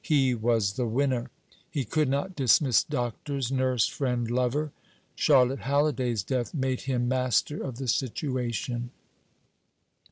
He was the winner. He could not dismiss doctors, nurse, friend, lover. Charlotte Halliday's death made him master of the situation.